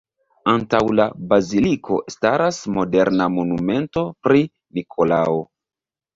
Antaŭ la baziliko staras moderna monumento pri Nikolao.